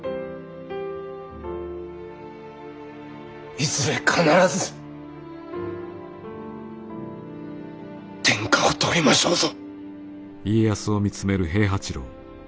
いずれ必ず天下を取りましょうぞ！